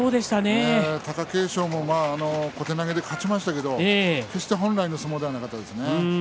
貴景勝も小手投げで勝ちましたけれども決して本来の相撲じゃなかったですね。